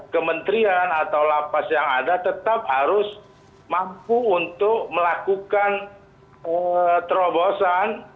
kementerian atau lapas yang ada tetap harus mampu untuk melakukan terobosan